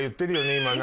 今。